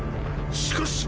しかし！